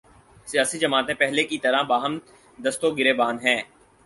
سیاسی جماعتیں پہلے کی طرح باہم دست و گریبان ہیں۔